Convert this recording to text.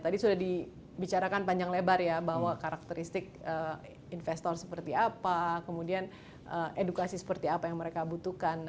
tadi sudah dibicarakan panjang lebar ya bahwa karakteristik investor seperti apa kemudian edukasi seperti apa yang mereka butuhkan